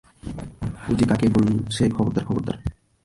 ঐ যে, কাকে বলছে, খবরদার, খবরদার!